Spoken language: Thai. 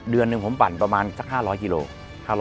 เดือนหนึ่งผมปั่นประมาณสัก๕๐๐กิโล